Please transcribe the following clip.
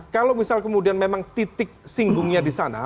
kalau misal kemudian memang titik singgungnya disana